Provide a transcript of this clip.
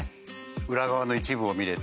裏側の一部を見られて。